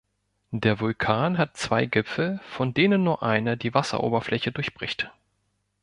Der Vulkan hat zwei Gipfel, von denen nur einer die Wasseroberfläche durchbricht.